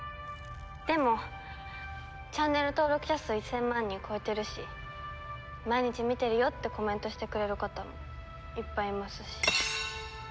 でもチャンネル登録者数１０００万人超えてるし「毎日見てるよ」ってコメントしてくれる方もいっぱいいますし。